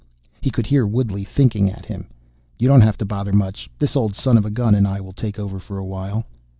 He could hear Woodley thinking at him. "You don't have to bother much. This old son of a gun and I will take over for a while."